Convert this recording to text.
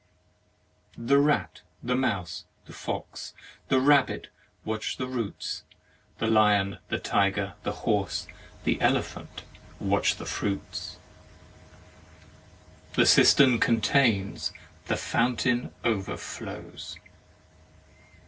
The rat, the mouse, the fox, the rabbit watch the roots; the Hon, the tiger, the horse, the elephant watch the fruits. The cistern contains, the fountain overflows.